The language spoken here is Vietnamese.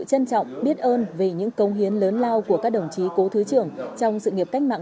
trân trọng biết ơn về những công hiến lớn lao của các đồng chí cố thứ trưởng trong sự nghiệp cách mạng